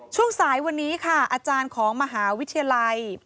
ช่วงสายวันนี้ค่ะอาจารย์ของมหาวิทยาลัย